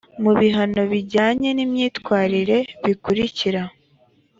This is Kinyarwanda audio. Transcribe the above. mu bihano bijyanye n imyitwarire bikurikira